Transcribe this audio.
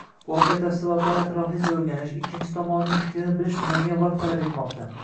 Voqea tafsilotlarini atroflicha oʻrganish, ikkinchi tomonning fikrini bilish muayyan vaqt talab etmoqda.